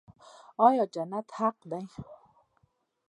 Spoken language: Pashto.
آیا جنت حق دی؟